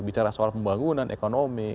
bicara soal pembangunan ekonomi